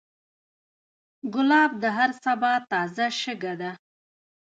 ګلاب د هر سبا تازه شګه ده.